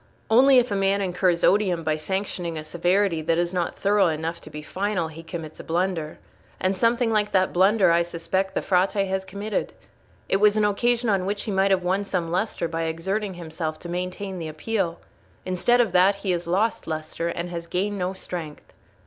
Only if a man incurs odium by sanctioning a severity that is not thorough enough to be final, he commits a blunder. And something like that blunder, I suspect, the Frate has committed. It was an occasion on which he might have won some lustre by exerting himself to maintain the Appeal; instead of that, he has lost lustre, and has gained no strength."